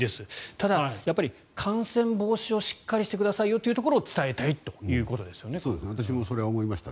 ただ、やっぱり感染防止をしっかりしてくださいよというところをそれは私も思いました。